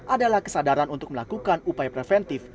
adalah kesadaran untuk melakukan upaya preventif